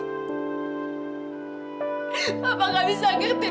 kok papa malah mikirin karirnya evita sih